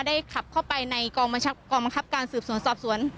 ได้ขับเข้าไปในกองมันกองมันทัพการสืบศูนย์สอบสวน